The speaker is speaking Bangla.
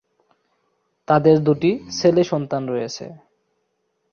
তাদের দুটি ছেলে সন্তান রয়েছে।